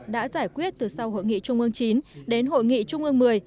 đã giải quyết từ sau hội nghị trung ương chín đến hội nghị trung ương một mươi